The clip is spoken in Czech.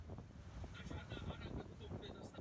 Jednou z těchto zón je Mnichov.